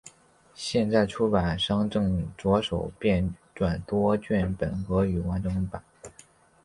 现在出版商正着手编撰多卷本俄语完整版。